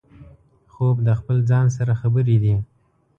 خوب د خپل ځان سره خبرې دي